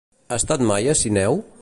Has estat mai a Sineu?